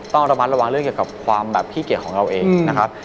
ต้องระมัดระวังเรื่องเกี่ยวกับความแบบขี้เกียจของเราเองนะครับ